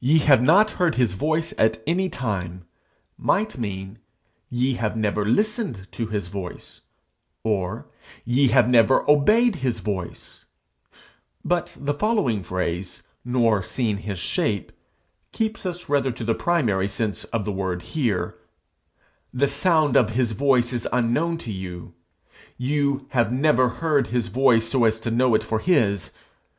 'Ye have not heard his voice at any time,' might mean, 'Ye have never listened to his voice,' or 'Ye have never obeyed his voice' but the following phrase, 'nor seen his shape,' keeps us rather to the primary sense of the word hear: 'The sound of his voice is unknown to you;' 'You have never heard his voice so as to know it for his.'